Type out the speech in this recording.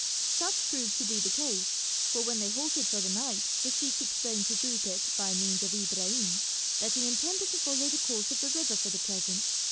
Such proved to be the case, for when they halted for the night the sheik explained to Rupert, by means of Ibrahim, that he intended to follow the course of the river for the present.